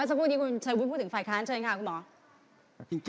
สักพรุ่งนี้คุณเชียววุฒิพูดถึงฝ่ายค้างใช่ไหมครับคุณหมอ